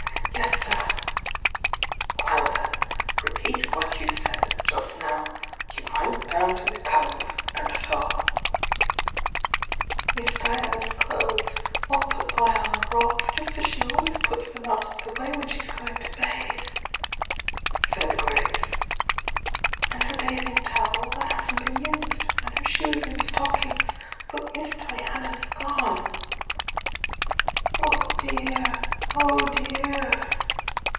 |;Yes, sir." "Well, then, repeat what you said just now,— you went down to the cove and saw " "Miss Diana's clothes,— all put by on the rocks, just as she always puts them out of the way when she's going to bathe," said Grace. "And her bath ing towel, — that hasn't been used. And her shoes and stockings. But Miss Diana's gone!" "Oh dear, oh dear!"